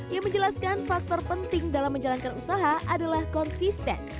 yang menjelaskan faktor penting dalam menjalankan usaha adalah konsisten